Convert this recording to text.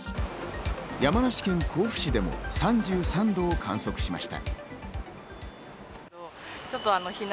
山梨県甲府市でも３３度を観測しました。